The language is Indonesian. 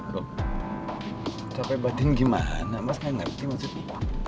loh capek batin gimana mas gak ngerti maksudnya